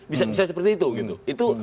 bisa seperti itu gitu